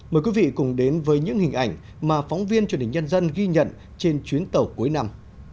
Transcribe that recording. mời quý vị cùng đến với những hình ảnh mà phóng viên truyền hình nhân dân ghi nhận trên chuyến tàu cuối năm